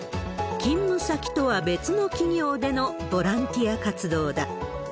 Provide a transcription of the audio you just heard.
勤務先とは別の企業でのボランティア活動だ。